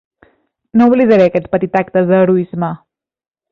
No oblidaré aquest petit acte d'heroisme